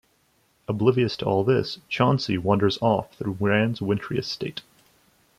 Oblivious to all this, "Chauncey" wanders off through Rand's wintry estate.